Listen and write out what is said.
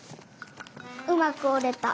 うまくおれた。